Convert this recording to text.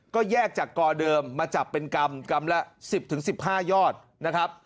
ก็แยกจากกอเดิมมาจับเป็นกรรมกรัมละ๑๐๑๕ยอดนะครับ